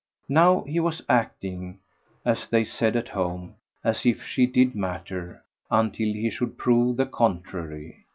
Now he was "acting," as they said at home, as if she did matter until he should prove the contrary.